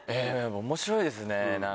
面白いですね何か。